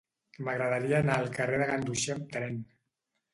M'agradaria anar al carrer de Ganduxer amb tren.